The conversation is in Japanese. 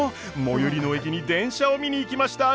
最寄りの駅に電車を見に行きました！